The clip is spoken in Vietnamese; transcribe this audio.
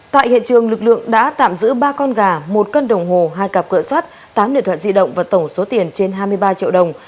tại hiện trường lực lượng đã tạm giữ ba con gà một cân đồng hồ hai cặp cỡ sắt tám nội thuận di động và tổng số tiền trên hai mươi ba triệu đồng